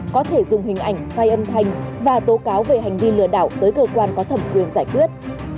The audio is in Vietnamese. có thể dùng hình ảnh vai âm thanh và tố cáo về hành vi lừa đảo tới cơ quan có thẩm quyền giải quyết